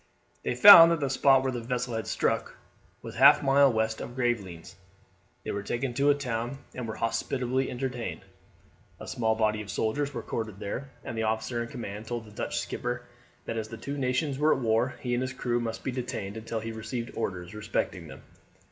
They found that the spot where the vessel had struck was half a mile west of Gravelines. They were taken to the town, and were hospitably entertained. A small body of soldiers were quartered there, and the officer in command told the Dutch skipper, that as the two nations were at war he and his crew must be detained until he received orders respecting them.